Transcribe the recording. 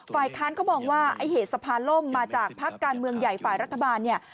ฝ่ายค้านเขามองว่าไอ้เหตุสะพานล่มมาจากพักการเมืองใหญ่ฝ่ายรัฐบาลเนี่ย